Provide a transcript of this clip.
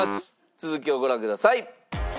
続きをご覧ください。